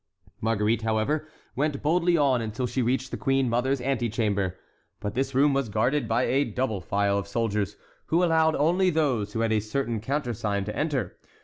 Marguerite, however, went boldly on until she reached the queen mother's antechamber. But this room was guarded by a double file of soldiers, who allowed only those who had a certain countersign to enter.